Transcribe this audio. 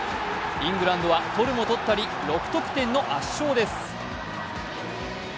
イングランドは取るも取ったり、６得点の圧勝です。